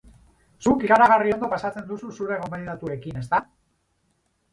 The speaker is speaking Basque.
Zuk ikaragarri ondo pasatzen duzu zure gonbidatuekin, ezta?